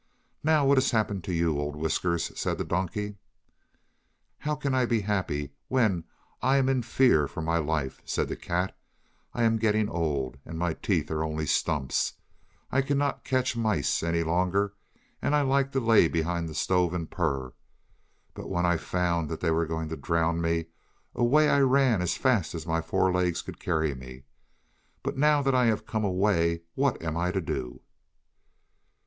"Now what has happened to you, old Whiskers?" said the donkey. "How can I be happy when I am in fear for my life?" said the cat. "I am getting old, and my teeth are only stumps. I cannot catch mice any longer, and I like to lie behind the stove and purr. But when I found that they were going to drown me, away I ran as fast as my four legs could carry me. But now that I have come away, what am I to do?"